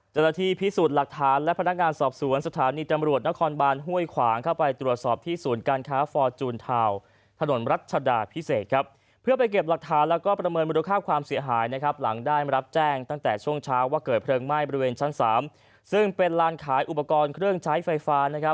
เจ้าหน้าที่พิสูจน์หลักฐานและพนักงานสอบสวนสถานีตำรวจนครบานห้วยขวางเข้าไปตรวจสอบที่ศูนย์การค้าฟอร์จูนทาวน์ถนนรัชดาพิเศษครับเพื่อไปเก็บหลักฐานแล้วก็ประเมินมูลค่าความเสียหายนะครับหลังได้รับแจ้งตั้งแต่ช่วงเช้าว่าเกิดเพลิงไหม้บริเวณชั้น๓ซึ่งเป็นลานขายอุปกรณ์เครื่องใช้ไฟฟ้านะครับ